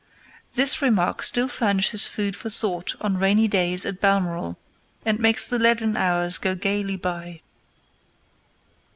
This remark still furnishes food for thought on rainy days at Balmoral, and makes the leaden hours go gayly by.